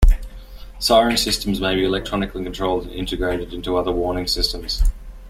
Siren systems may be electronically controlled and integrated into other warning systems.